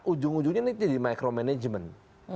ujung ujungnya nanti jadi micromanagement